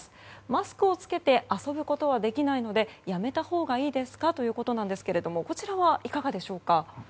マスクを着けて遊ぶことはできないのでやめたほうがいいですかということですがこちらはいかがでしょうか。